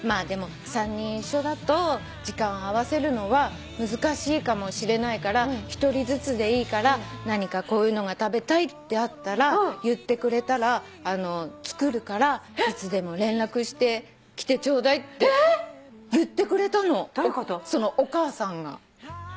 「でも３人一緒だと時間を合わせるのは難しいかもしれないから１人ずつでいいから何かこういうのが食べたいってあったら言ってくれたら作るからいつでも連絡してきてちょうだい」って言ってくれたの。